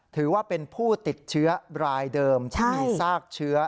ถือว่าเป็นผู้ติดเชื้อรายเดิมที่มีซากเชื้อ